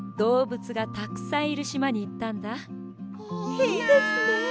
いいですね。